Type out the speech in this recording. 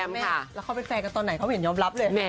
แล้วเขาเป็นแฟนกันตอนไหนเขาเห็นยอมรับเลยแม่